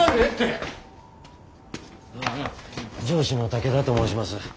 上司の武田と申します。